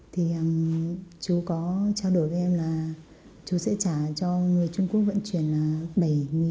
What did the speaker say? thì chú có trao đổi với em là chú sẽ trả cho người trung quốc vận chuyển bảy nhân dân tệ